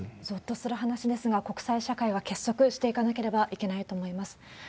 ぞっとする話ですが、国際社会は結束していかなければいけないと思います。